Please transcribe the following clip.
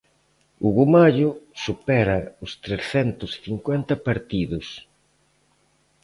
Hugo Mallo supera os trescentos cincuenta partidos.